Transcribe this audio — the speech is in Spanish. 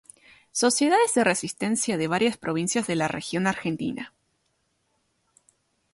Sociedades de Resistencia de varias provincias de la Región Argentina.